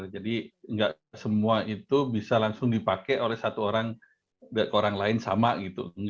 jadi nggak semua itu bisa langsung dipakai oleh satu orang ke orang lain sama gitu